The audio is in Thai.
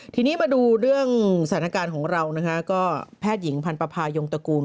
ทีนี้มาดูเรื่องสถานการณ์ของเรานะคะก็แพทย์หญิงพันธภายงตระกูล